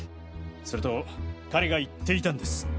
それと彼が言っていたんです。